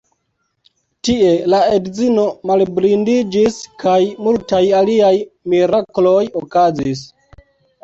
Tie la edzino malblindiĝis kaj multaj aliaj mirakloj okazis.